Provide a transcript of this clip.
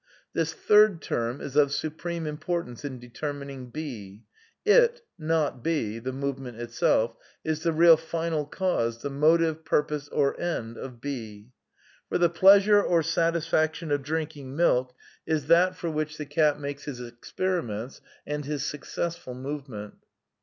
This third term is of supreme importance in de termining &. It, not 6 (the movement itself), is the real final cause, the motive, purpose or end of &. For the pleasure or satisfaction of drinking milk is that for which the cat makes his experiments and his successful move ment.